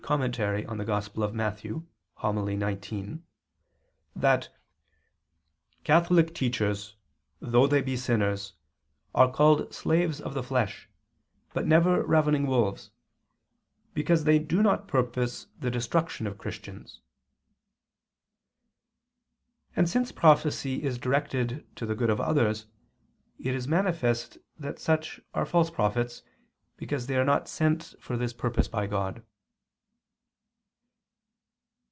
Hom. xix, among the works of St. John Chrysostom, and falsely ascribed to him] that "Catholic teachers, though they be sinners, are called slaves of the flesh, but never ravening wolves, because they do not purpose the destruction of Christians." And since prophecy is directed to the good of others, it is manifest that such are false prophets, because they are not sent for this purpose by God.